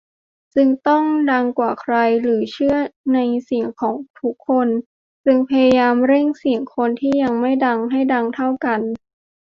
จึงต้องดังกว่าใคร หรือเชื่อในเสียงของทุกคน จึงพยายามเร่งเสียงคนที่ยังไม่ดัง ให้ดังเท่ากัน ?